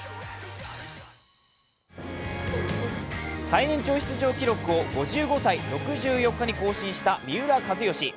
最年長出場記録を５５歳６４日に更新した三浦知良。